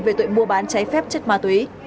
về tội mua bán cháy phép chất ma túy